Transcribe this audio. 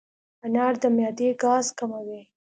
انار د معدې ګاز کموي.